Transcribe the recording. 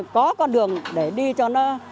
có con đường để đi cho nó